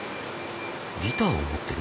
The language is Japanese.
ギターを持ってる？